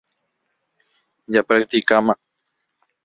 Japracticáma.